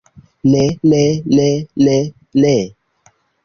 Ne ne ne ne. Ne.